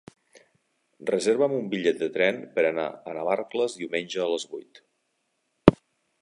Reserva'm un bitllet de tren per anar a Navarcles diumenge a les vuit.